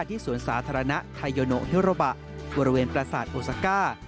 สวนสาธารณะไทโยโนเฮโรบะบริเวณประสาทโอซาก้า